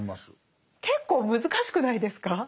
結構難しくないですか？